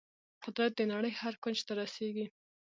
قدرت د نړۍ هر کونج ته رسیږي.